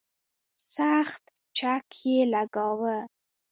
سخت چک یې لګاوه.